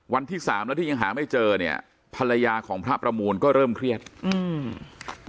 วันที่สามแล้วที่ยังหาไม่เจอเนี้ยภรรยาของพระประมูลก็เริ่มเครียดอืม